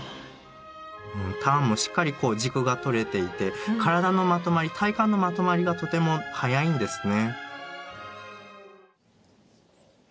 ターンもしっかりこう軸がとれていて体のまとまり体幹のまとまりがとても早いんですね。